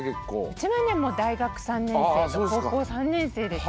うちはねもう大学３年生と高校３年生です。